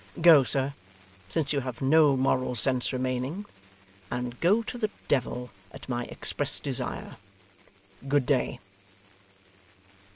Go, sir, since you have no moral sense remaining; and go to the Devil, at my express desire. Good day.